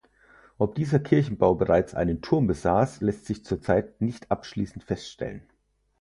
Ob dieser Kirchenbau bereits einen Turm besaß, lässt sich zurzeit nicht abschließend feststellen.